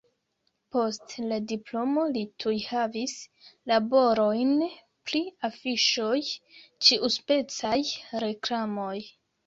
Post la diplomo li tuj havis laborojn pri afiŝoj, ĉiuspecaj reklamoj.